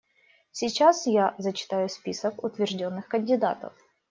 Сейчас я зачитаю список утвержденных кандидатов.